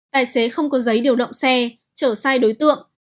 tài xế không có giấy điều động xe chở sai đối tượng